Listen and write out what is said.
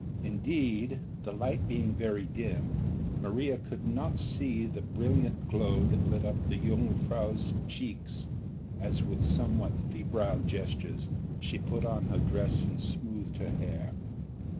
Indeed the light being very dim Maria could not see the brilliant glow that lit up the jongejuffrouw's cheeks as with somewhat febrile gestures she put on her dress and smoothed her hair.